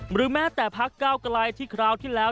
หรือแม้แต่พักเก้าไกลที่คราวที่แล้ว